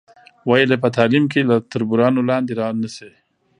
ویل یې په تعلیم کې له تربورانو لاندې را نشئ.